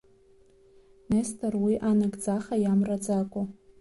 Нестор уи анагӡаха иамраӡакәа…